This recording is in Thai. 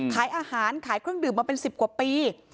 ขายอาหารขายเครื่องดื่มมาเป็น๑๐กว่าปี